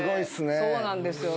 そうなんですよ。